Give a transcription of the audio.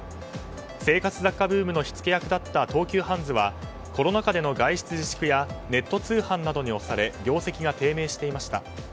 生活雑貨ブームの火付け役だった東急ハンズはコロナ禍での外出自粛やネット通販などに押され業績が低迷していました。